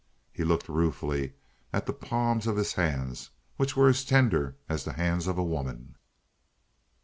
He looked ruefully at the palms of his hands which were as tender as the hands of a woman.